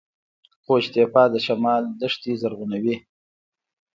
قوش تیپه د شمال دښتې زرغونوي